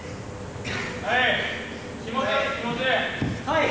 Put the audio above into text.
はい！